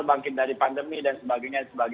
bangkit dari pandemi dan sebagainya